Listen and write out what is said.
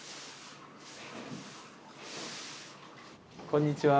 こんにちは。